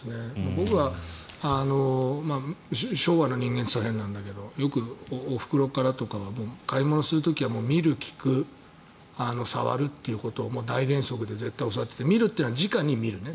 僕は昭和の人間って言ったら変なんだけどよくお袋からとか買い物する時は見る、聞く、触るということを大原則で絶対に教わってきて見るっていうのは直に見るね。